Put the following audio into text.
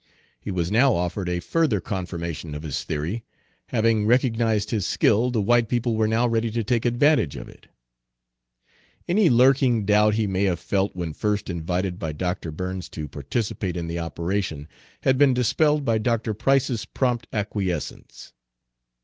He was now offered a further confirmation of his theory: having recognized his skill, the white people were now ready to take advantage of it. Any lurking doubt he may have felt when first invited by Dr. Burns to participate in the operation, had been dispelled by Dr. Price's prompt acquiescence.